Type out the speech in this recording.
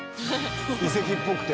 遺跡っぽくて。